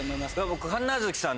僕神奈月さん